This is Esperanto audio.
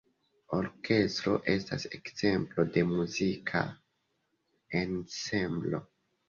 Orkestro estas ekzemplo de muzika ensemblo.